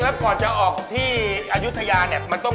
เริ่มต้องจากที่ไหนก่อน